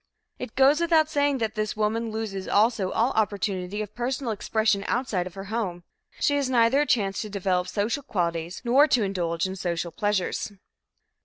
It goes without saying that this woman loses also all opportunity of personal expression outside her home. She has neither a chance to develop social qualities nor to indulge in social pleasures.